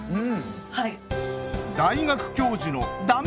はい。